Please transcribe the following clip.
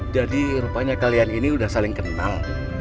jadi rupanya kalian ini udah saling kenal